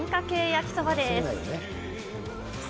焼きそばです。